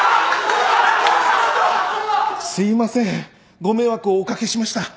すいませんご迷惑をおかけしました。